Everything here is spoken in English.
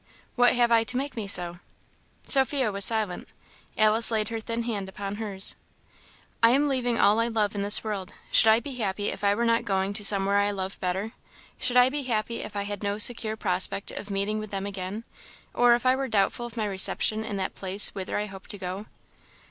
"What have I to make me so?" Sophia was silent. Alice laid her thin hand upon hers. "I am leaving all I love in this world. Should I be happy if I were not going to somewhat I love better? Should I be happy if I had no secure prospect of meeting with them again? or if I were doubtful of my reception in that place whither I hope to go?"